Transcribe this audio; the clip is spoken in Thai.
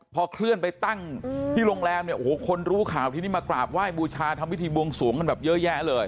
พอเคลื่อนไปตั้งที่โรงแรมเนี่ยโอ้โหคนรู้ข่าวที่นี่มากราบไหว้บูชาทำพิธีบวงสวงกันแบบเยอะแยะเลย